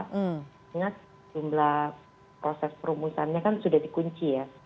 ingat jumlah proses perumusannya kan sudah dikunci ya